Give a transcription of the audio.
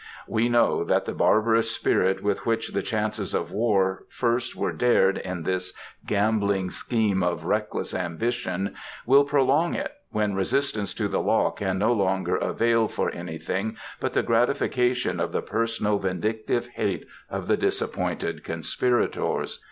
We know that the barbarous spirit with which the chances of war first were dared in this gambling scheme of reckless ambition, will prolong it, when resistance to the law can no longer avail for anything but the gratification of the personal vindictive hate of the disappointed conspirators.